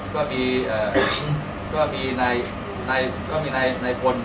ก็มีก็มีเอ่อก็มีนายนายก็มีนายนายพล